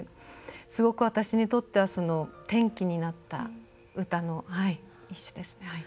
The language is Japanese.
すごく私にとっては転機になった歌の１首ですね。